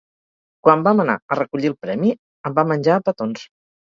Quan vam anar a recollir el premi em va menjar a petons.